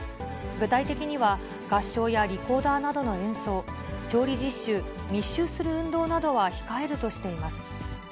具体的には合唱やリコーダーなどの演奏、調理実習、密集する運動などは控えるとしています。